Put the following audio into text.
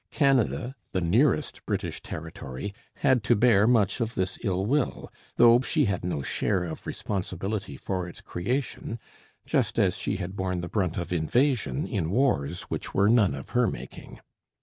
Canada, the nearest British territory, had to bear much of this ill will, though she had no share of responsibility for its creation, just as she had borne the brunt of invasion in wars which were none of her making.